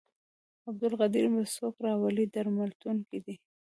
عبدالقدیر به څوک راولي درملتون کې دی.